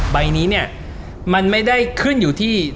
ใบนี้เนี่ยมันไม่ได้ขึ้นอยู่ที่